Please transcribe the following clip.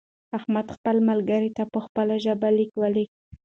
احمد خپل ملګري ته په خپله ژبه لیک ولیکه.